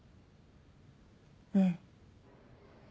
うん。